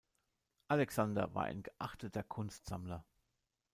Alexander war ein geachteter Kunstsammler.